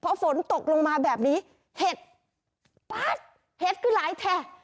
เพราะฝนตกลงมาแบบนี้เห็ดแป๊ดเห็ดก็ลายแทบ